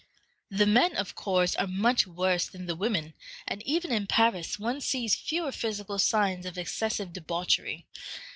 The men, of course, are much worse than the women, and even in Paris one sees fewer physical signs of excessive debauchery.